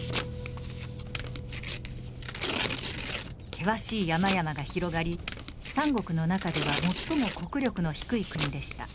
険しい山々が広がり三国の中では最も国力の低い国でした。